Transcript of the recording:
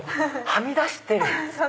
はみ出してる！